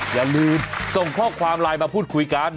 อย่าลืมส่งข้อความไลน์มาพูดคุยกัน